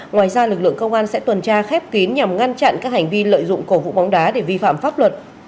ngoài ra lực lượng công an sẽ tuần tra khép kín nhằm ngăn chặn các hành vi lợi dụng cổ vũ bóng đá để vi phạm pháp luật